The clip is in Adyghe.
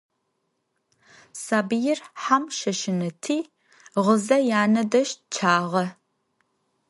Сабыир хьэм щэщынэти, гъызэ янэ дэжь чъагъэ.